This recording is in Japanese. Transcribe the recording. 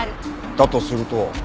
だとすると。